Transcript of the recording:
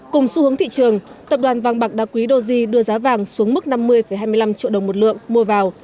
cùng xu hướng thị trường tập đoàn vàng bạc đa quý doji đưa giá vàng xuống mức năm mươi hai mươi năm triệu đồng một lượng mua vào